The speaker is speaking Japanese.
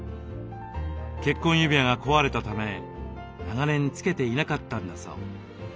結婚指輪が壊れたため長年つけていなかったんだそう。